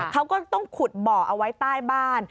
เขาก็ต้องขุดบ่อเอาไว้ใต้บ้าน